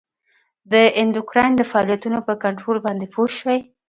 د اندوکراین د فعالیتونو په کنترول باندې پوه شئ.